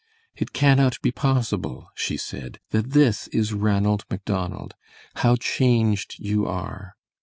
"It cannot be possible," she said, "that this is Ranald Macdonald! How changed you are!"